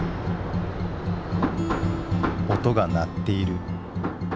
音が鳴っている。